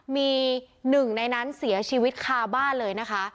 มีหนึ่งในนั้นเสียชีวิตคาบ้านเลยนะคะ